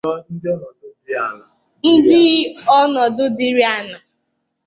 ndị ọnọdụ dịịrị añaa